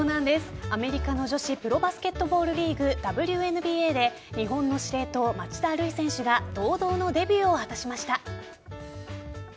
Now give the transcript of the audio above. アメリカの女子プロバスケットボールリーグＷＮＢＡで日本の司令塔・町田瑠唯選手が堂々のデビューを果たしました。